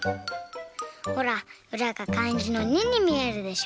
ほらうらがかんじの「二」にみえるでしょ。